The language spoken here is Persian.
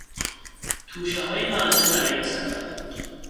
توشههای لازم برای این سفر